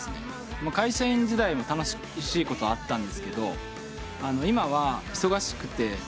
会社員時代も楽しいことあったんですけど今は忙しくて。